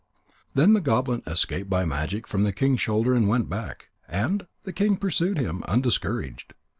Then the goblin escaped by magic from the king's shoulder and went back. And the king pursued him, undiscouraged.